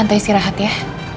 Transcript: santai sih rahat ya